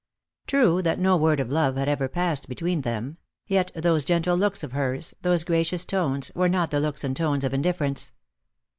True that no word of love had ever passed between them ; yet those gentle looks of hers, those gracious tones, were not the looks and tones of indifference.